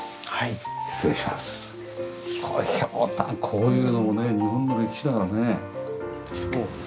こういうのもね日本の歴史だからね。